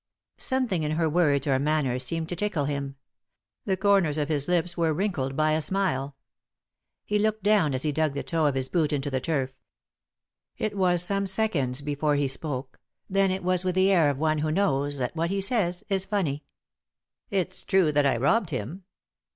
Something in her words or manner seemed to tickle him. The corners of his lips were wrinkled by a smile. He looked down as he dug the toe of his boot into the turf. It was some seconds before he spoke, then it was with the air of one who knows that what he says is funny. " It's true that I robbed him."